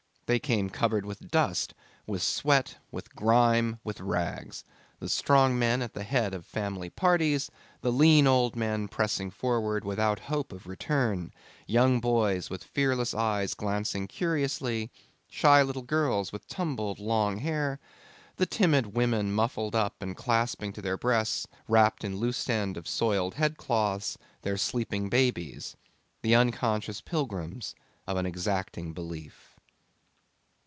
They came covered with dust, with sweat, with grime, with rags the strong men at the head of family parties, the lean old men pressing forward without hope of return; young boys with fearless eyes glancing curiously, shy little girls with tumbled long hair; the timid women muffled up and clasping to their breasts, wrapped in loose ends of soiled head cloths, their sleeping babies, the unconscious pilgrims of an exacting belief.